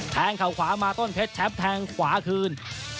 เข่าขวามาต้นเพชรแชมป์แทงขวาคืน